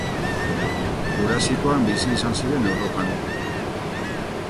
Jurasikoan bizi izan ziren Europan.